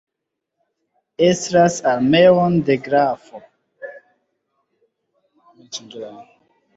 Estras armeon de grafo.